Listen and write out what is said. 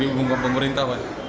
diumumkan pemerintah pak